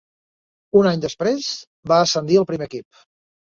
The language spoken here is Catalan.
Un any després, va ascendir al primer equip.